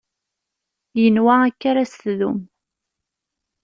Yenwa akka ara s-tdum